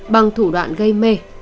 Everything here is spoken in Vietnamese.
bằng thủ đoạn gây mê